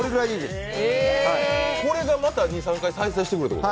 これがまた２３回再生してくるということ？